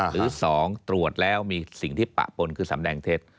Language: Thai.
หรือ๒ตรวจแล้วมีสิ่งที่ปะปนคือสำแดงเท็จ